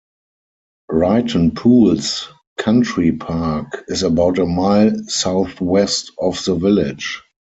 Ryton Pools Country Park is about a mile south-west of the village.